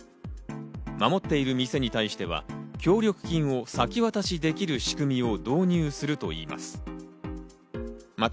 守っている店に対しては協力金を先渡しできる仕組みを導入するといいます。